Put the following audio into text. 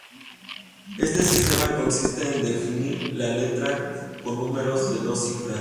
Este sistema consiste en definir la letra con números de dos cifras.